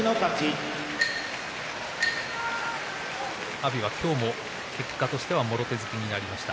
阿炎は今日も結果としてはもろ手突きとなりました。